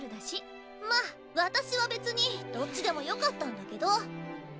まっ私は別にどっちでもよかったんだけど！